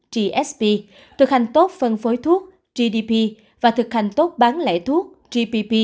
gsb thực hành tốt phân phối thuốc gdp và thực hành tốt bán lẻ thuốc gpp